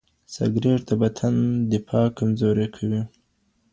سګریټ د بدن دفاع کمزورې کوي.